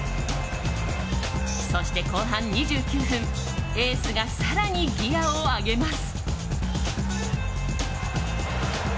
そして後半２９分エースが更にギアを上げます。